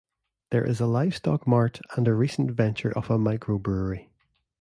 There is a livestock mart and a recent venture of a microbrewery.